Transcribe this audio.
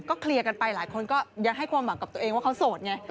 เคลียร์กันไปหลายคนก็ยังให้ความหวังกับตัวเองว่าเขาโสดไง